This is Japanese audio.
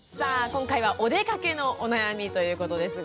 今回は「おでかけのお悩み」ということですが。